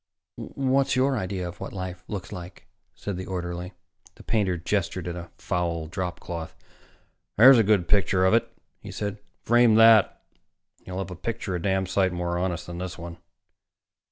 "What's your idea of what life looks like?" said the orderly. The painter gestured at a foul dropcloth. "There's a good picture of it," he said. "Frame that, and you'll have a picture a damn sight more honest than this one."